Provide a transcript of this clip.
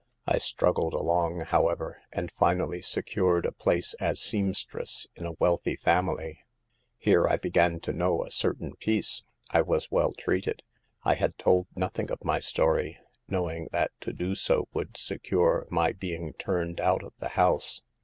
I struggled along, however, and finally secured a place as seamstress in a wealthy family. Here I began to know a cer tain peace. I was well treated. I had told nothing of my story, knowing that to do so would secure my being turned out of the 156 SAVE THE GIRLS. house.